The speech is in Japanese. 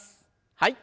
はい。